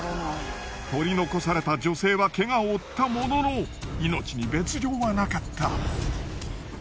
取り残された女性はけがを負ったものの命に別状はなかった。